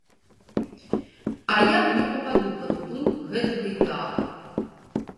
А я не пападу пад уплыў гэтага ідэала!